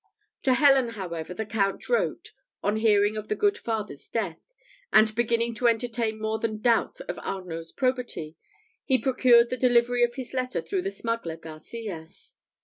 To Helen, however, the Count wrote, on hearing of the good Father's death, and beginning to entertain more than doubts of Arnault's probity, he procured the delivery of his letter through the smuggler Garcias.